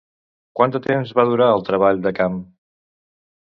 Quant de temps va durar el treball de camp?